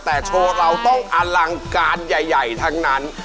แต่โชว์เราต้องอลังการใหญ่ทั้งนั้น